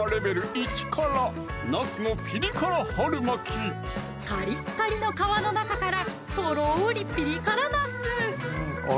１辛カリッカリの皮の中からとろりピリ辛なす